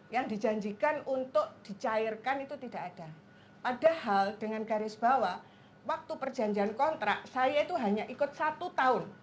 yang dijanjikan untuk dicairkan itu tidak ada padahal dengan garis bawah waktu perjanjian kontrak saya itu hanya ikut satu tahun